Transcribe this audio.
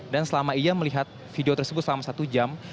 dan selama ia melihat video tersebut selama satu jam